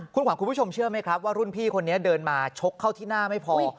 คุณขวัญคุณผู้ชมเชื่อไหมครับว่ารุ่นพี่คนนี้เดินมาชกเข้าที่หน้าไม่พอ